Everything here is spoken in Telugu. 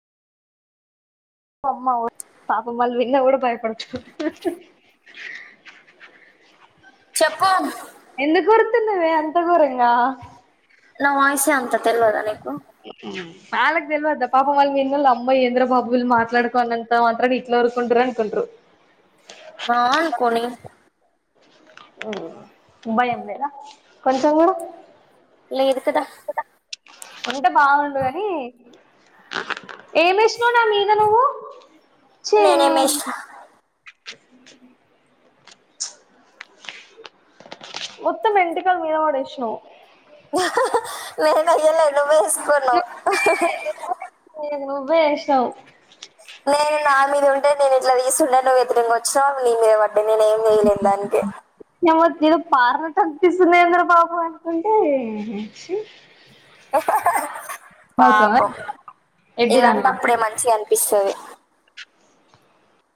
అమ్మ పాపమ్మలు విన్న కూడా కూడా భయపడుతు చెప్పం తిన్నవ అంత కూరంగా నావ వయిసా అంత తెల్వదా నీకు మళ్కి తెల్వద్ద పాపం వాళ్ మీన్ల్ అమ్మయి ఏంద్ర బాబులు మాట్లాడుకోన్నంత మాంతా ఇట్ల వరుకుంట్రు అనుకుంట్రు ఆ అనుకోని బడిలేద కొంచస లేదు కదా. ఉంటే బాగుండుగాని. ఏమి ఎసినవ్ నా మీద నువ్వు ఛీ. నేనేం వేసిన మొత్తం వెంట్రుకలు మీద పడేసినవ్. నేనేయ్యలేదు. వేసుకున్నావ్. వేషవ్. నేను నా మీద ఉంటే. నేను ఇట్లా తీస్తున్నాను నువ్వీ ఇట్లా వచ్చవు నీ మీద పడ్. నేను ఏం వేయలేదు దానికే. తగ్గిస్తుంది ఏందిరా బాబు అనుకుంటే ఛీ. నవ్వుతావా పాపం ఎడ్డి దానిలా ఇలాంటాప్పుడే మంచిగా అనిపిస్తది.